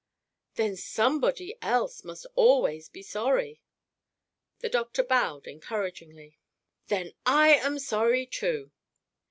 "Then somebody else must always be sorry." The doctor bowed encouragingly. "_Then I am sorry, too!